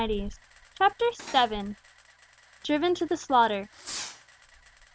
_" CHAPTER VII. DRIVEN TO THE SLAUGHTER.